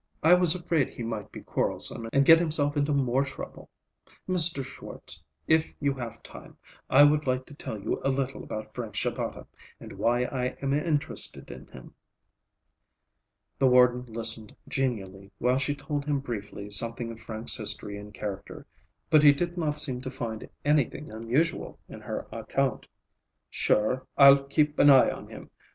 I was afraid he might be quarrelsome and get himself into more trouble. Mr. Schwartz, if you have time, I would like to tell you a little about Frank Shabata, and why I am interested in him." The warden listened genially while she told him briefly something of Frank's history and character, but he did not seem to find anything unusual in her account. "Sure, I'll keep an eye on him.